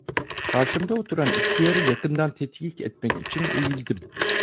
Karşımda oturan ihtiyarı yakından tetkik etmek için eğildim.